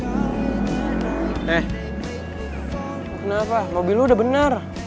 kenapa mobil lu udah bener